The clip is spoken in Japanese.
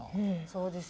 そうですね